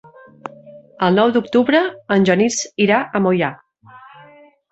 El nou d'octubre en Genís irà a Moià.